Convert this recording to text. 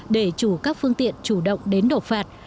để chủ các phương tiện chủ động đến đột phạt